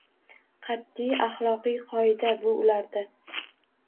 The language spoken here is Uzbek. Qat’iy ahloqiy qoida bu ularda.